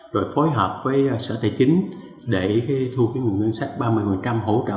rồi phối hợp với sở tài chính để thuộc những ngân sách ba mươi hỗ trợ